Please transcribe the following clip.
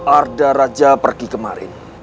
arda raja pergi kemarin